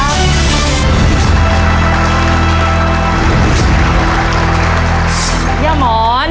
พี่อาหมอน